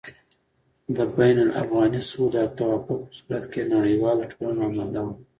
د بين الافغاني سولې او توافق په صورت کې نړېواله ټولنه اماده وه